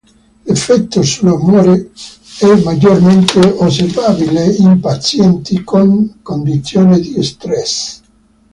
L'effetto sull'umore è maggiormente osservabile in pazienti con condizioni di stress.